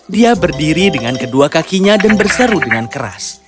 dia berdiri dengan kedua kakinya dan berseru dengan keras